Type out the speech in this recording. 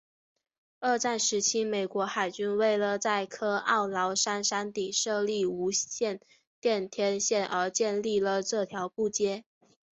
二战时期美国海军为了在科奥劳山山顶设立无线电天线而建立了这条步道。